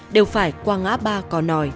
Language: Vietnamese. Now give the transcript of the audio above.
đều phải qua ngã ba cò nòi